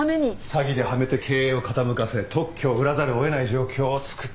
詐欺ではめて経営を傾かせ特許を売らざるを得ない状況を作った。